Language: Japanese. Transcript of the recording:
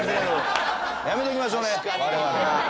やめときましょうね我々。